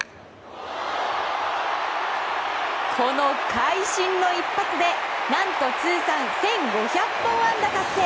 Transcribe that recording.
この会心の一発で何と通算１５００本安打達成。